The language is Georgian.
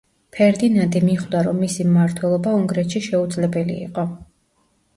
ფერდინანდი მიხვდა, რომ მისი მმართველობა უნგრეთში შეუძლებელი იყო.